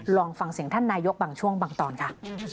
ลองฟังเสียงท่านนายกบางช่วงบางตอนค่ะ